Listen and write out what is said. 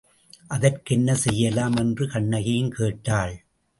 அதற்கென்ன செய்யலாம்? என்று கண்ணகியும் கேட்டாள்.